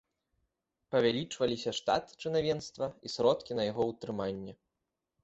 Павялічваліся штат чынавенства і сродкі на яго ўтрыманне.